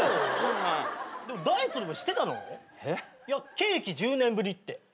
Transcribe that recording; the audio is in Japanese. ケーキ１０年ぶりって。